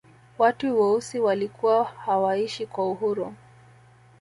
watu weusi walikuwa hawaishi kwa uhuru